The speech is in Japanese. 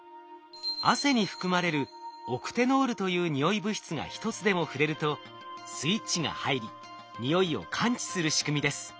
汗に含まれるオクテノールというにおい物質が一つでも触れるとスイッチが入りにおいを感知する仕組みです。